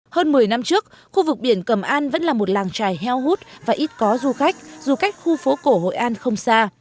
hơn một mươi năm trước khu vực biển cầm an vẫn là một làng trài heo hút và ít có du khách dù cách khu phố cổ hội an không xa